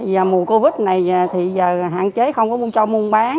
giờ mùa covid này thì giờ hạn chế không có mua cho mua mua bán